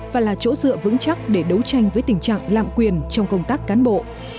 và là chỗ dựa vững chắc để đấu tranh với tình trạng lạm quyền trong công tác cán bộ